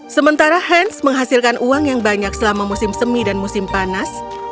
sementara hans menghasilkan uang yang banyak selama musim semi dan musim panas